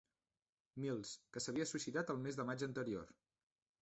Mills, que s'havia suïcidat el mes de maig anterior.